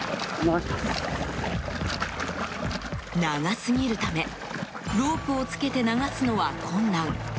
長すぎるためロープをつけて流すのは困難。